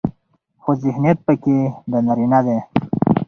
خو ذهنيت پکې د نارينه دى